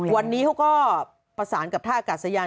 วันนี้เขาก็ประสานกับท่าอากาศยาน